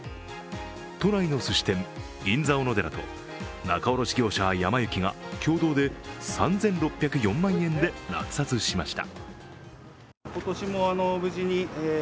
都内のすし店、銀座おのでらと仲卸業者・やま幸が共同で３６０４万円で落札しました。